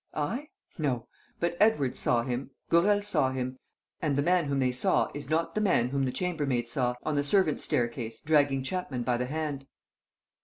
"I? No. But Edwards saw him, Gourel saw him; and the man whom they saw is not the man whom the chambermaid saw, on the servants' staircase, dragging Chapman by the hand."